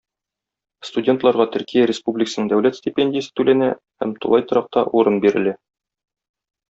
Студентларга Төркия Республикасының дәүләт стипендиясе түләнә һәм тулай торакта урын бирелә.